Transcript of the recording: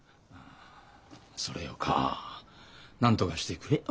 それよかなんとかしてくれよ